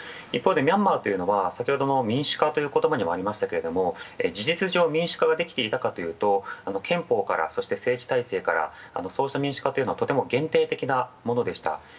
一方でミャンマーというのは民主化という言葉にもありましたけれども、事実上民主化ができていたかというと憲法から政治体制から、そうした民主化というのはとても限定的なものでした。